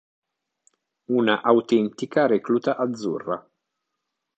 Una autentica recluta azzurra.